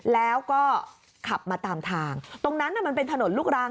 แล้วก็ขับมาตามทางตรงนั้นมันเป็นถนนลูกรัง